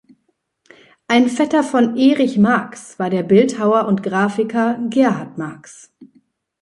Ein Vetter von Erich Marcks war der Bildhauer und Grafiker Gerhard Marcks.